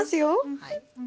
はい。